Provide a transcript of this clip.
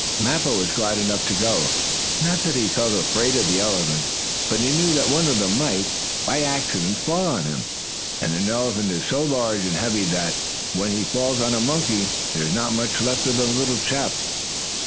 Mappo was glad enough to go, not that he felt afraid of the elephants, but he knew that one of them might, by accident, fall on him, and an elephant is so large and heavy that, when he falls on a monkey, there is not much left of the little chap.